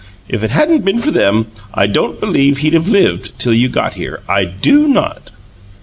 If it hadn't been for them I don't believed he'd have LIVED till you got here I do NOT!"